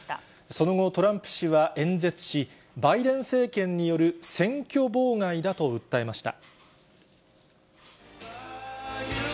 その後、トランプ氏は演説し、バイデン政権による選挙妨害だと訴えました。